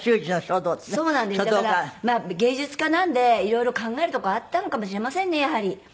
まあ芸術家なんでいろいろ考えるとこあったのかもしれませんねやはり。